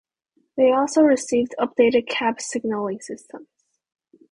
They also received updated cab signaling systems.